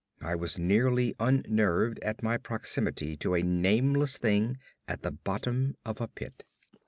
I was nearly unnerved at my proximity to a nameless thing at the bottom of a pit.